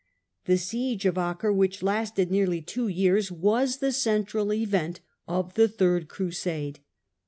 The siege of Acre, which lasted nearly AuSst ^wo years, was the central event of the Third Crusade.